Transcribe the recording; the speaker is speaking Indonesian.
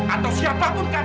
atau siapapun kan